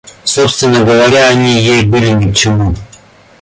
Собственно говоря, они ей были ни к чему.